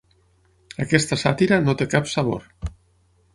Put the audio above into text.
Aquesta sàtira no té cap sabor.